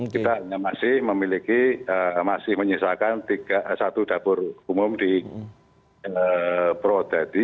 kita masih memiliki masih menyisakan satu dapur umum di pro tadi